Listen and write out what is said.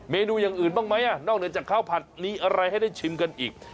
เมนูอย่างอื่นบ้างไหมนอกเหนือจากข้าวผัดมีอะไรให้ได้ชิมกันอีก